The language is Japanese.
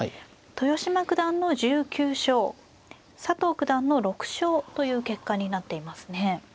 豊島九段の１９勝佐藤九段の６勝という結果になっていますね。